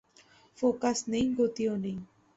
Focus নেই, গতিও নেই।